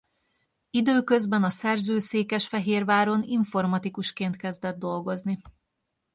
Időközben a szerző Székesfehérváron informatikusként kezdett dolgozni.